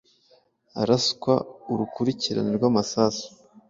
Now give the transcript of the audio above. araswa Urukurikirane rw'amasamu